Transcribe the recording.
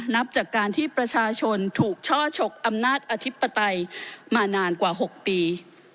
นับจากการที่ประชาชนถูกช่อฉกอำนาจอธิปไตยมานานกว่า๖ปี